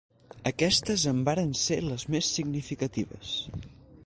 Aquestes en varen ser les més significatives.